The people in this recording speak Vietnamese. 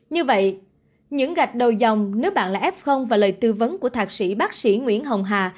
như vậy những gạch đầu dòng nếu bạn là f và lời tư vấn của thạc sĩ bác sĩ nguyễn hồng hà